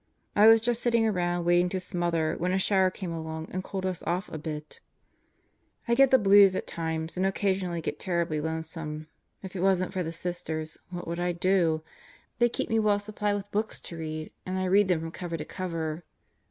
I was just sitting around waiting to smother when a shower came along and cooled us off a bit. ... 94 God Goes to Murderer's Row I get the blues at times and occasionally get terribly lonesome. If it wasn't for the Sisters, what would I do? They keep me well supplied with books to read, and I read them from cover to cover.